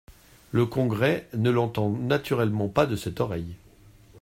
Le Congrès ne l’entend naturellement pas de cette oreille.